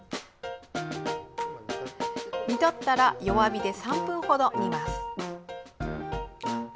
煮立ったら弱火で３分ほど煮ます。